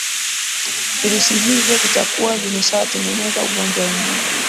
virusi hivyo vitakuwa vimeshatengeneza ugonjwa wenyewe